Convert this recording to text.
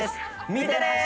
見てね！